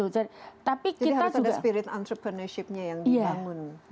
jadi harus ada spirit entrepreneurship nya yang dibangun